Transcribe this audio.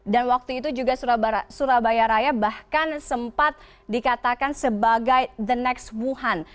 waktu itu juga surabaya raya bahkan sempat dikatakan sebagai the next wuhan